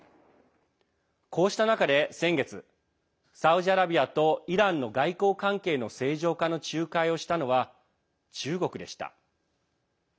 こうした中で先月サウジアラビアとイランの外交関係の正常化の仲介をしたのは中国でした。